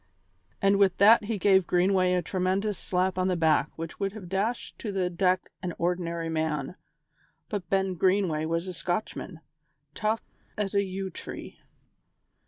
And with that he gave Greenway a tremendous slap on the back which would have dashed to the deck an ordinary man, but Ben Greenway was a Scotchman, tough as a yew tree.